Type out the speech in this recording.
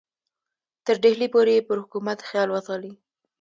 تر ډهلي پورې یې پر حکومت خیال وځغلي.